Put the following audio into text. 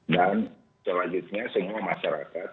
dan selanjutnya sehingga masyarakat